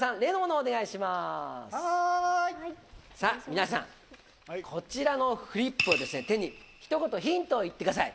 皆さんこちらのフリップを手にひと言ヒントを言ってください。